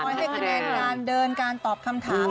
ช่วยให้กำแหน่งการเดินการตอบคำถาม